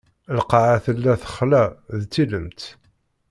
Lqaɛa tella texla, d tilemt.